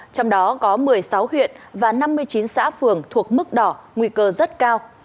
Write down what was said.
trong đó có một mươi sáu huyện và năm mươi chín xã phường thuộc mức đỏ nguy cơ rất cao